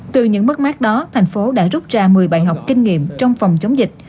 từ những mất mát đó thành phố đã rút ra một mươi bài học kinh nghiệm trong phòng chống dịch